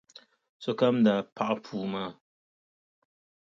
Sokam daa paɣi puu maa.